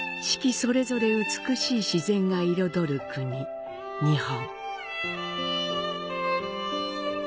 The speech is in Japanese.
それぞれ美しい自然が彩る国、日本。